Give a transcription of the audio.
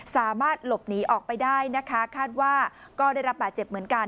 สามารถหลบหนีออกไปได้นะคะคาดว่าก็ได้รับบาดเจ็บเหมือนกัน